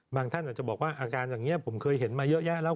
ท่านอาจจะบอกว่าอาการอย่างนี้ผมเคยเห็นมาเยอะแยะแล้ว